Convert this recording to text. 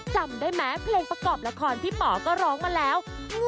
จำได้ไหมเพลงประกอบละครพี่ป๋อก็ร้องมาแล้ว